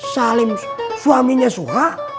salim suaminya suha